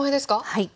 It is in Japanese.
はい。